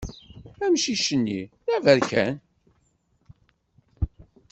Amcic-nni d aberkan.